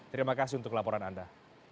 terima kasih untuk laporan anda